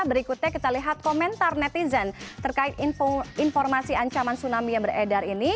berikutnya kita lihat komentar netizen terkait informasi ancaman tsunami yang beredar ini